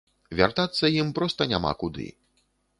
Вяртацца ім проста няма куды.